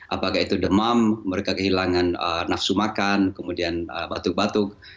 apakah itu demam mereka kehilangan nafsu makan kemudian batuk batuk